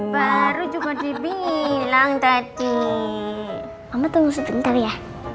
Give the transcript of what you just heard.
baru juga dibilang tadi kamu tunggu sebentar ya